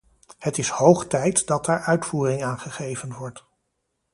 Het is hoog tijd dat daar uitvoering aan gegeven wordt.